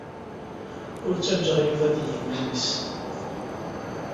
Ur ttajjaɣ Yuba da i yiman-nnes.